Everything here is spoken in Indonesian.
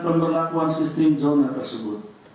pembelakuan sistem zona tersebut